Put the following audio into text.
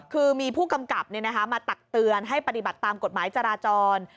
คือมีผู้กำกับมาตักเตือนให้ปฏิบัติตามกฎหมายจราจร